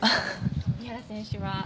三原選手は？